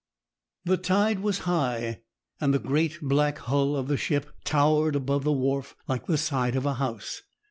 The tide was high, and the great black hull of the ship towered above the wharf like the side of a house.